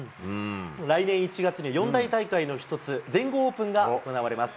来年１月に四大大会の一つ、全豪オープンが行われます。